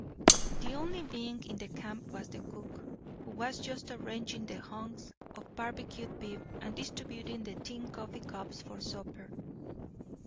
The only being in the camp was the cook, who was just arranging the hunks of barbecued beef, and distributing the tin coffee cups for supper.